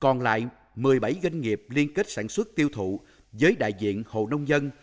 còn lại một mươi bảy doanh nghiệp liên kết sản xuất tiêu thụ với đại diện hồ nông dân